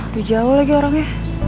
dujau lagi orangnya